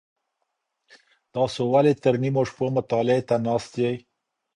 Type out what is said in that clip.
تاسو ولي تر نیمو شپو مطالعې ته ناست یئ؟